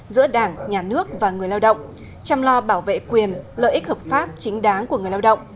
giữa đảng nhà nước và người lao động chăm lo bảo vệ quyền lợi ích hợp pháp chính đáng của người lao động